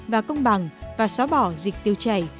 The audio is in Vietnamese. và công bằng và xóa bỏ dịch tiêu chảy